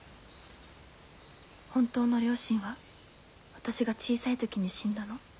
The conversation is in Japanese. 本当の両親は私が小さい時に死んだの。